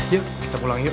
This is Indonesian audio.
yuk kita pulang yuk